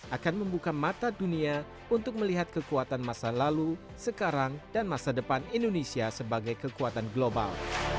akan membuka mata dunia untuk melihat kekuatan masa lalu sekarang dan masa depan indonesia sebagai kekuatan global